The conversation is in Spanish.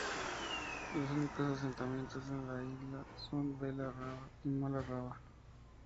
Los únicos asentamientos en la isla son Vela Rava y Mala Rava.